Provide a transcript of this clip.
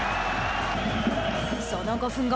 その５分後。